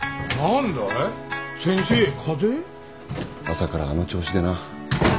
朝からあの調子でな。